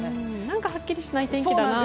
はっきりしない天気だなと。